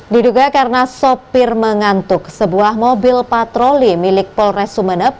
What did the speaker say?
diduga karena sopir mengantuk sebuah mobil patroli milik polres sumeneb